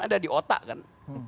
ada di otak kan